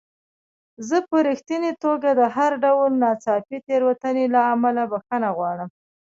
زه په رښتینې توګه د هر ډول ناڅاپي تېروتنې له امله بخښنه غواړم.